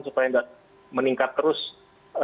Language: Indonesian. supaya nggak meningkat terus pertumbuhan penyebaran misalnya